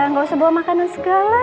nggak usah bawa makanan segala